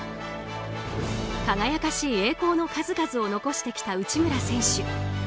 輝かしい栄光の数々を残してきた内村選手。